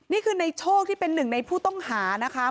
นี่คือในโชคที่เป็นหนึ่งในผู้ต้องหานะคะ